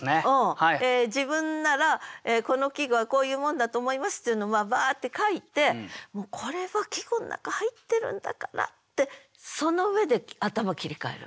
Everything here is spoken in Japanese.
自分ならこの季語はこういうもんだと思いますっていうのをバーッて書いてもうこれは季語の中入ってるんだからってその上で頭切り替える。